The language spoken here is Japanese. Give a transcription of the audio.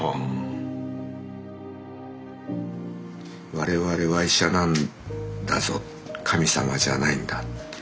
「われわれは医者なんだぞ神様じゃないんだ」。